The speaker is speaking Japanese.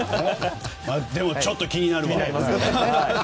でもちょっと気になります。